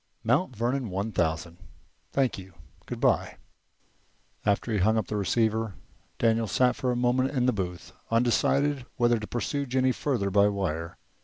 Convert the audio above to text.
"Mount Vernon one thousand." "Thank you. Goodby." After he had hung up the receiver, Daniel sat for a moment in the booth, undecided whether to pursue Jennie further by wire.